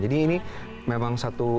jadi ini memang satu